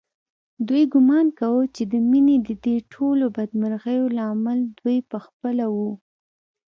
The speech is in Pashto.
دوی ګومان کاوه چې د مينې ددې ټولو بدمرغیو لامل دوی په خپله و